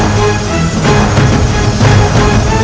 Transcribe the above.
lalu tajum mereka